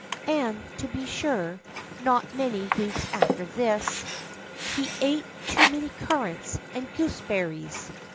And, to be sure, not many weeks after this, He ate too many currants and gooseberries.